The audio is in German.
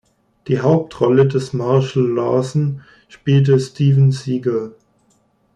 Die Hauptrolle des Marshall Lawson spielte Steven Seagal.